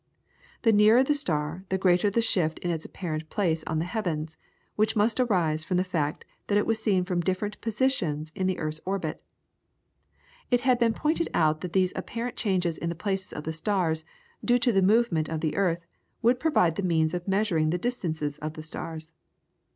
The nearer the star the greater the shift in its apparent place on the heavens, which must arise from the fact that it was seen from different positions in the earth's orbit. It had been pointed out that these apparent changes in the places of the stars, due to the movement of the earth, would provide the means of measuring the distances of the stars.